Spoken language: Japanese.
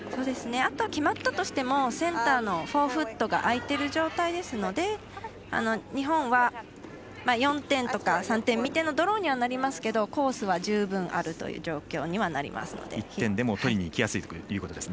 あとは決まったとしてもセンターの４フットが空いてる状態ですので日本は４点とか３点見てのドローにはなりますけどコースは十分あるという状況にはなりますので。